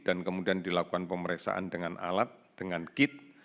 dan kemudian dilakukan pemeriksaan dengan alat dengan kit